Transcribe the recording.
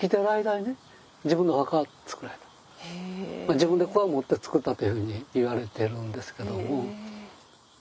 自分でくわ持って作ったというふうにいわれてるんですけども。